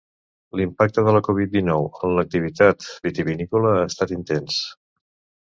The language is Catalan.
L'impacte de la Covid dinou en l'activitat vitivinícola ha estat intens.